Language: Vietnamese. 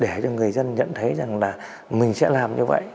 để cho người dân nhận thấy rằng là mình sẽ làm như vậy